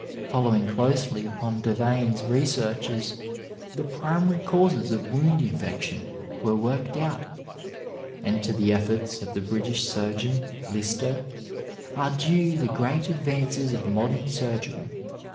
Following closely upon Da vaine's researches, the primary causes of wound infection were worked out, and to the efforts of the British surgeon Lister are diie the great advances of modem surgery.